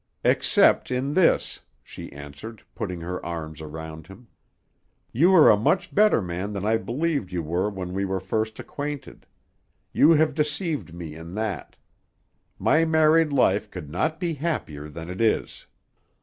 "Except in this," she answered, putting her arms around him. "You are a much better man than I believed you were when we were first acquainted; you have deceived me in that. My married life could not be happier than it is."